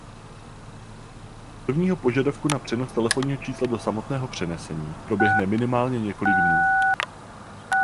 Od prvního požadavku na přenos telefonního čísla do samotného přenesení proběhne minimálně několik dnů.